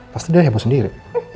pasti dia heboh sendiri